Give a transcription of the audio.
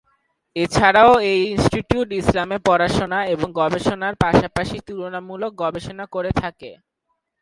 এছাড়াও এই ইনস্টিটিউট ইসলামে পড়াশোনা এবং গবেষণার পাশাপাশি তুলনামূলক গবেষণা করে থাকে।